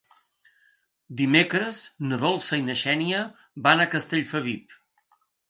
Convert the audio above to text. Dimecres na Dolça i na Xènia van a Castellfabib.